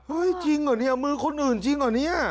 จริงเหรอเนี่ยมือคนอื่นจริงเหรอเนี่ย